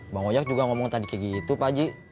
bang ojak juga ngomong tadi kayak gitu pak ji